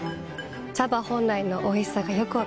茶葉本来のおいしさがよく分かります。